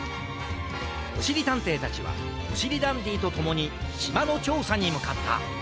おしりたんていたちはおしりダンディとともにしまのちょうさにむかった。